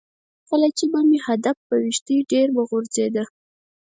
کله چې به مې هدف په ویشتی ډېره به غورځېده.